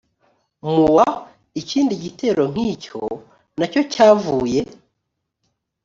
mu wa ikindi gitero nk icyo na cyo cyavuye